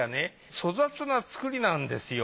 粗雑な作りなんですよ。